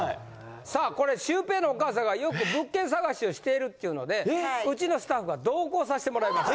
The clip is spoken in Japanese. さあこれシュウペイのお母さんがよく物件探しをしているっていうのでうちのスタッフが同行さしてもらいました。